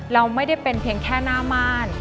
เราไม่ได้เป็นเพียงแค่หน้าม่าน